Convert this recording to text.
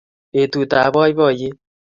betutab boiboiyet